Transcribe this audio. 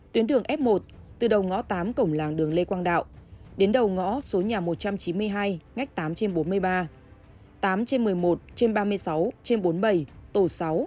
tuyến đường f một từ đầu ngõ tám cổng làng đường lê quang đạo đến đầu ngõ số nhà một trăm chín mươi hai ngách tám trên bốn mươi ba tám trên một mươi một trên ba mươi sáu trên bốn mươi bảy tổ sáu